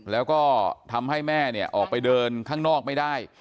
แล้วก็ทำให้แม่เนี่ยออกไปเดินข้างนอกไม่ได้